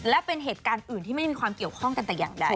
และเป็นเหตุการณ์อื่นที่ไม่มีความเกี่ยวข้องกันแต่อย่างใด